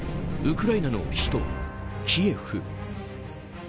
ウクライナの首都キエフ。